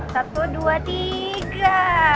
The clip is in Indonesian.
satu dua tiga